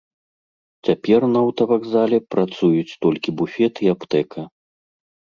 Цяпер на аўтавакзале працуюць толькі буфет і аптэка.